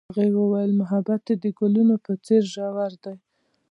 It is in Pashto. هغې وویل محبت یې د ګلونه په څېر ژور دی.